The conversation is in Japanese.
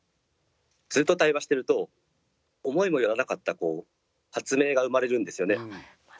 ずっと対話してると思いもよらなかった発明が生まれるんですよね。